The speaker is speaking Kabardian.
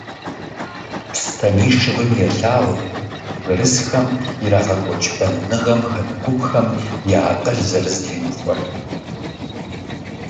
Станишевым елъагъу бгырысхэм ирагъэкӀуэкӀ бэнэныгъэм хэт гупхэм я акъыл зэрызэтемыхуэр.